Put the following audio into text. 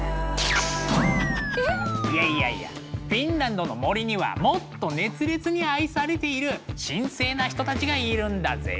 いやいやいやフィンランドの森にはもっと熱烈に愛されている神聖な人たちがいるんだぜ。